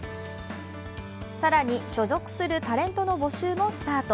更に、所属するタレントの募集もスタート。